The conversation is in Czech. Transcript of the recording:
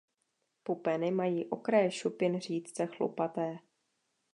Pupeny mají okraje šupin řídce chlupaté.